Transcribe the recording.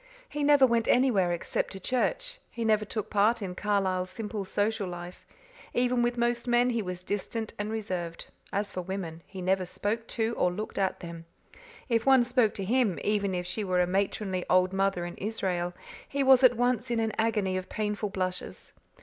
He never went anywhere except to church; he never took part in Carlisle's simple social life; even with most men he was distant and reserved; as for women, he never spoke to or looked at them; if one spoke to him, even if she were a matronly old mother in Israel, he was at once in an agony of painful blushes.